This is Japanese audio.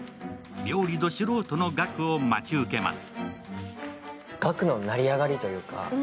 料理ド素人の岳を待ち受けます。